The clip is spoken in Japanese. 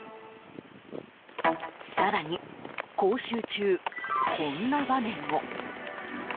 更に講習中、こんな場面も。